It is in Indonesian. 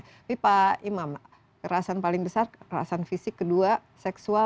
tapi pak imam kekerasan paling besar kekerasan fisik kedua seksual